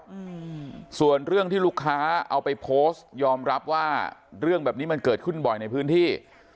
อืมส่วนเรื่องที่ลูกค้าเอาไปโพสต์ยอมรับว่าเรื่องแบบนี้มันเกิดขึ้นบ่อยในพื้นที่